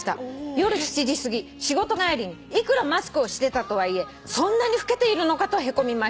「夜７時すぎ仕事帰りにいくらマスクをしてたとはいえそんなに老けているのかとへこみました」